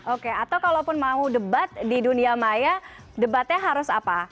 oke atau kalaupun mau debat di dunia maya debatnya harus apa